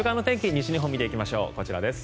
西日本見ていきましょう。